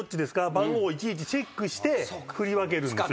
番号をいちいちチェックして振り分けるんですよ。